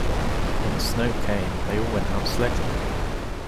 When the snow came, they all went out sledging.